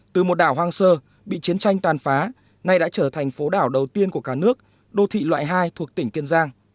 từ một đảo hoang sơ bị chiến tranh toàn phá nay đã trở thành phố đảo đầu tiên của cả nước đô thị loại hai thuộc tỉnh kiên giang